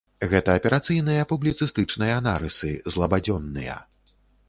Гэта аперацыйныя публіцыстычныя нарысы, злабадзённыя.